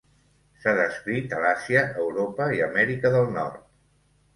S'ha descrit a l'Àsia, Europa i Amèrica del Nord.